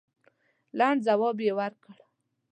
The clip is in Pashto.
لنډ جواب یې ورکړ.